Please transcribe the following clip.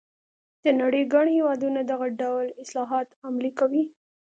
د نړۍ ګڼ هېوادونه دغه ډول اصلاحات عملي کوي.